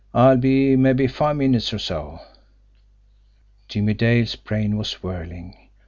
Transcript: I'll be mabbe five minutes, or so." Jimmie Dale's brain was whirling.